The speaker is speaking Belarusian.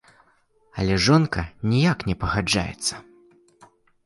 Але жонка ніяк не пагаджаецца.